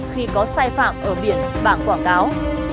khi có sai phạm ở biển bảng quảng cáo